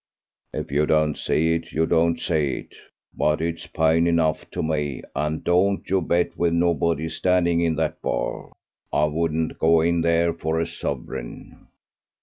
"If you don't see it, you don't see it; but it's plain enough to me, and don't you bet with nobody standing in that bar. I wouldn't go in there for a sovereign."